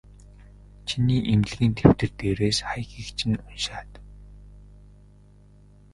Чиний эмнэлгийн дэвтэр дээрээс хаягийг чинь уншаад.